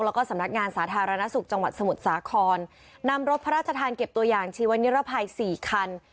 แล้วก็สำนักงานสาธารณสุขจังหวัดสมุทรสาครนำรถพระราชทานเก็บตัวอย่างชีวนิรภัยสี่คัน